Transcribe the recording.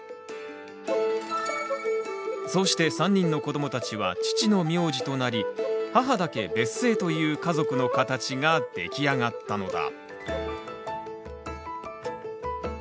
そうして３人の子どもたちは父の名字となり母だけ別姓という家族の形が出来上がったのだ。